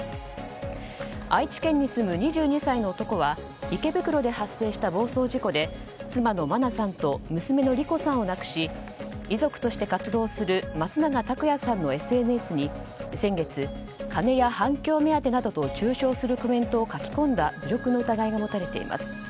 愛知県に住む２２歳の男は池袋で発生した暴走事故で妻の真菜さんと娘の莉子さんを亡くし遺族として活動する松永拓也さんのＳＮＳに先月、金や反響目当てなどと中傷するコメントを書き込んだ侮辱の疑いが持たれています。